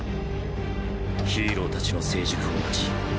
ヒーロー達の成熟を待ち